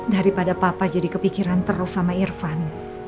daripada papa jadi kepikiran terus sama irfan